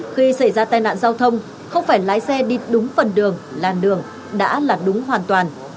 khi xảy ra tai nạn giao thông không phải lái xe đi đúng phần đường làn đường đã là đúng hoàn toàn